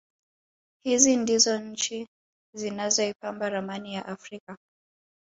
Hizi ndizo nchi zinazoipamba ramani ya Afrika